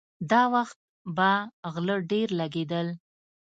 دا وخت به غله ډېر لګېدل.